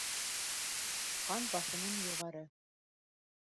Ҡан баҫымым юғары